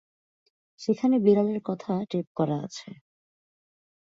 সেখানে বিড়ালের কথা টেপ করা আছে।